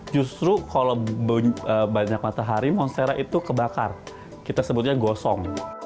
justru kalau banyak matahari monstera itu kebakar kita sebutnya gosong